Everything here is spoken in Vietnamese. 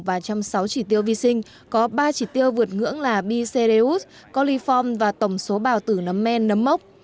và một trăm linh sáu chỉ tiêu vi sinh có ba chỉ tiêu vượt ngưỡng là bixereus coliform và tổng số bào tử nấm men nấm mốc